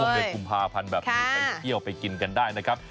เดือนกุมภาพันธ์แบบนี้ไปเที่ยวไปกินกันได้นะครับ